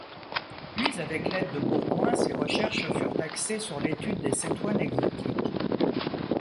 Puis, avec l'aide de Bourgoin, ses recherches furent axées sur l'étude des cétoines exotiques.